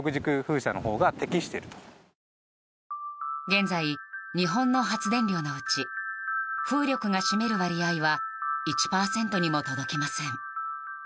現在、日本の発電量のうち風力が占める割合は１％にも届きません。